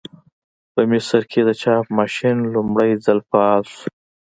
په مصر کې د چاپ ماشین لومړي ځل فعال شو.